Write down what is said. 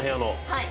はい。